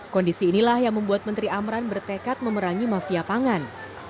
kondisi inilah yang membuat menteri amran bertekad memerangi mafia pangan